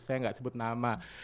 saya gak sebut nama